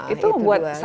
itu membuat sakit hati